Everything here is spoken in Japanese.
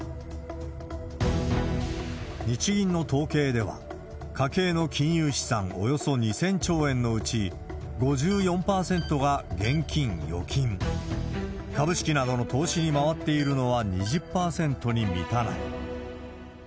日銀の統計では、家計の金融資産およそ２０００兆円のうち、５４％が現金・預金。株式などの投資に回っているのは２０％に満たない。